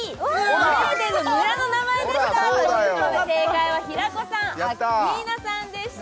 スウェーデンの村の名前でしたということで正解は平子さんアッキーナさんでした